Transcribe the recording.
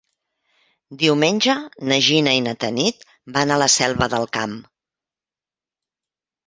Diumenge na Gina i na Tanit van a la Selva del Camp.